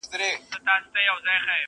ومي د سترګو نګهبان لکه باڼه ملګري..